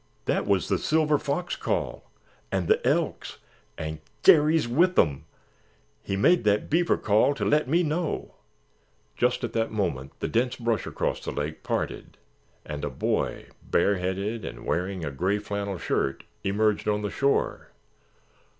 "That was the Silver Fox call—and the Elks—and Garry's with them—he made that Beaver call to let me know——" Just at that moment the dense brush across the lake parted and a boy, bareheaded and wearing a grey flannel shirt, emerged on the shore.